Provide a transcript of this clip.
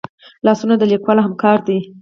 لاسونه د لیکوال همکار دي